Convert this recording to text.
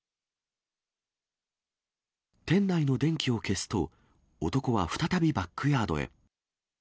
店内の電気を消すと、男は再びバックヤードへ。